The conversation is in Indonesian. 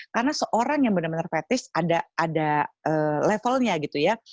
karena seorang yang benar benar fetish ada levelnya gitu ya